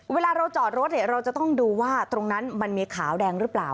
เวลาเราจอดรถเราจะต้องดูว่าตรงนั้นมันมีขาวแดงหรือเปล่า